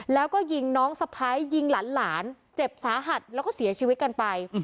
แล้วก็ยิงน้องสะพ้ายยิงหลานเจ็บสาหัสแล้วก็เสียชีวิตกันไป